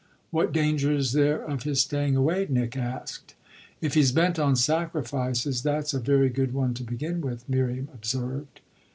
"What danger is there of his staying away?" Nick asked. "If he's bent on sacrifices that's a very good one to begin with," Miriam observed.